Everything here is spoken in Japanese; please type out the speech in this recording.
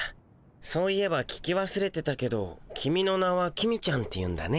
そういえば聞きわすれてたけどキミの名は公ちゃんっていうんだね。